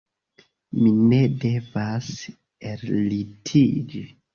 Mi ne devas ellitiĝi.«